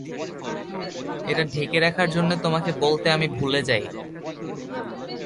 এটা ঢেকে রাখার জন্যে তোমাকে বলতে আমি ভুলে যাই।